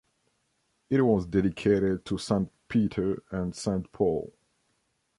It was dedicated to Saint Peter and Saint Paul.